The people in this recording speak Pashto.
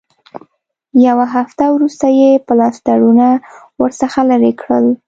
یوه هفته وروسته یې پلاسټرونه ورڅخه لرې کړل.